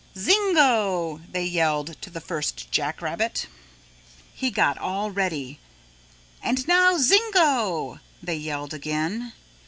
"Zingo," they yelled to the first jack rabbit. He got all ready. "And now zingo!" they yelled again.